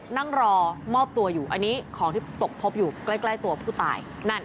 นั่งรอมอบตัวอยู่ของที่ตกพบอยู่ไกลตัวผู้ตาย